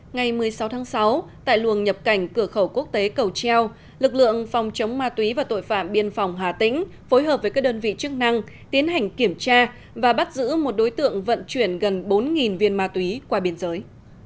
ngày một mươi sáu tháng sáu tại luồng nhập cảnh cửa khẩu quốc tế cầu treo lực lượng phòng chống ma túy và tội phạm biên phòng hà tĩnh phối hợp với các đơn vị chức năng tiến hành kiểm tra và bắt giữ một đối tượng vận chuyển gần bốn viên ma túy qua biên giới